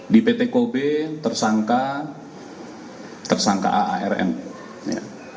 di pt kobe tersangka aarn